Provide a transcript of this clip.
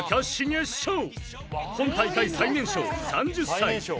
［今大会最年少３０歳］